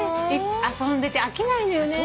遊んでて飽きないのよね。